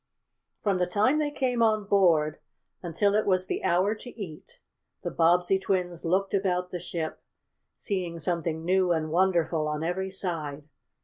From the time they came on board until it was the hour to eat, the Bobbsey twins looked about the ship, seeing something new and wonderful on every side.